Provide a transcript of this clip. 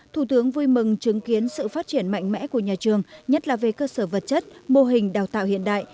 thủ tướng vui mừng chứng kiến sự phát triển mạnh mẽ của nhà trường nhất là về cơ sở vật chất mô hình đào tạo hiện đại